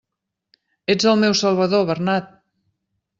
Ets el meu salvador, Bernat!